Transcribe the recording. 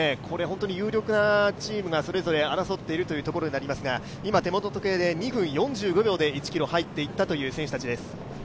有力なチームがそれぞれ争っているところになりますが今、手元の時計で２分４５秒で１ｋｍ入っていった選手たちです。